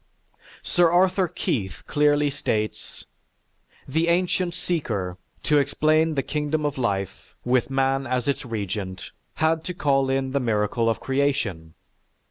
Sir Arthur Keith clearly states: "The ancient seeker, to explain the kingdom of life, with man as its Regent, had to call in the miracle of creation.